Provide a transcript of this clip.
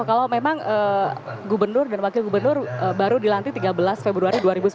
kalau memang gubernur dan wakil gubernur baru dilantik tiga belas februari dua ribu sembilan belas